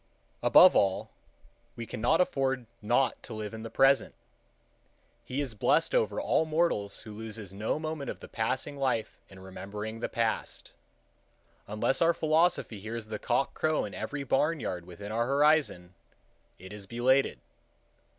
Above all, we cannot afford not to live in the present. He is blessed over all mortals who loses no moment of the passing life in remembering the past. Unless our philosophy hears the cock crow in every barn yard within our horizon, it is belated.